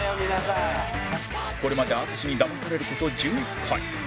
これまで淳にだまされる事１１回